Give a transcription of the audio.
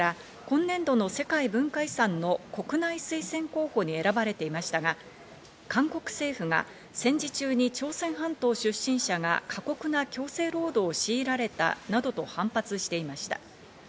佐渡島の金山は先月、文化庁の文化審議会から今年度の世界文化遺産の国内推薦候補に選ばれていましたが、韓国政府が戦時中に朝鮮半島出身者が過酷な強制労働を強いられたなどと反発していました。